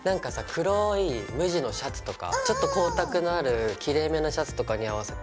黒い無地のシャツとかちょっと光沢のあるきれいめなシャツとかに合わせて。